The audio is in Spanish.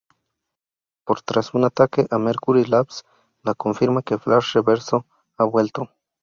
Pero tras un ataque a Mercury Labs, la confirma que Flash Reverso ha vuelto.